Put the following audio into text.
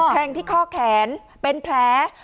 แทงที่ข้อแขนเป็นแผล